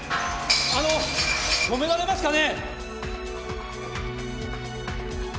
あの止められますかね？